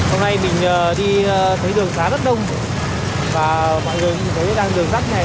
hôm nay mình đi thấy đường xá rất đông và mọi người cũng thấy đang đường rắc này